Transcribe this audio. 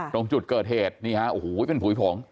ตรงจุดเกิดเหตุนี่ฮะโอ้โหเป็นผุยผง